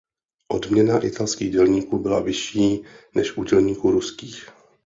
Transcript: Odměna italských dělníků byla vyšší než u dělníků ruských.